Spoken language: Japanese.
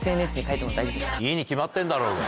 いいに決まってんだろうが！